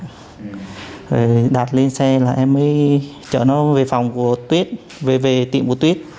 rồi đạt lên xe là em mới chở nó về phòng của tuyết về về tiệm của tuyết